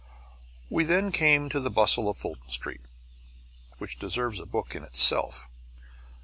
We then came to the bustle of Fulton Street, which deserves a book in itself.